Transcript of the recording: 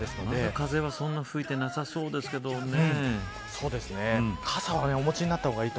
風はそんなに吹いてなさそうですけどね。